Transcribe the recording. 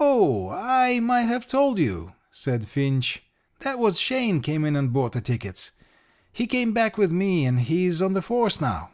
"Oh, I might have told you," said Finch. "That was Shane came in and bought the tickets. He came back with me, and he's on the force now."